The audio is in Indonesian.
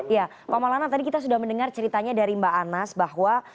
ya pak maulana tadi kita sudah mendengar ceritanya dari mbak anas bahwa